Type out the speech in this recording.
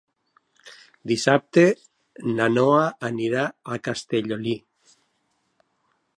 Dissabte na Noa anirà a Castellolí.